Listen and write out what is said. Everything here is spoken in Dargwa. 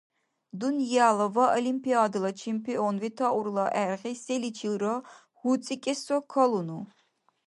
Дунъяла ва Олимпиадала чемпион ветаурла гӀергъи, селичилра гьуцӀикӀеси калуну?